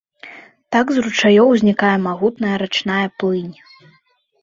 Так з ручаёў узнікае магутная рачная плынь.